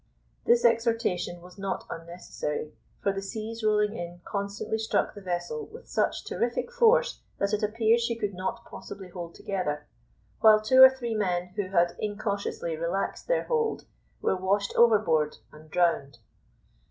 This exhortation was not unnecessary, for the seas rolling in constantly struck the vessel with such terrific force, that it appeared she could not possibly hold together, while two or three men, who had incautiously relaxed their hold, were washed overboard and drowned.